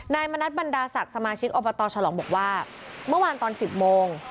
มณัฐบรรดาศักดิ์สมาชิกอบตฉลองบอกว่าเมื่อวานตอน๑๐โมง